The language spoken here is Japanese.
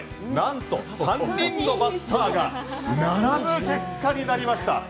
なんと３人のバッターが並ぶ構図になりました。